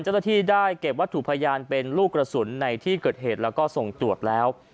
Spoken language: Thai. เจ้าหน้าที่ได้เก็บวัตถุพยานเป็นลูกกระสุนในที่เกิดเหตุแล้วก็ส่งตรวจแล้ว